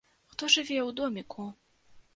Хто жыве ў доміку?